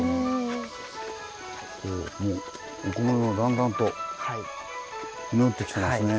お米もだんだんと実ってきてますね。